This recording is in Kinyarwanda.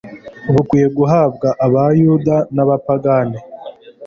Bukwiye guhabwa abayuda n'abapagane.